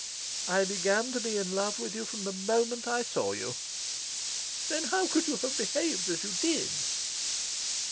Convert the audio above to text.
"I began to be in love with you from the moment I saw you." "Then how could you have behaved as you did?"